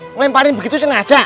ngelemparin begitu sengaja